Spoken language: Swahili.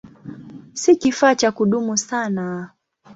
Si kifaa cha kudumu sana.